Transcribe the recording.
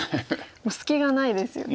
隙がないですよね。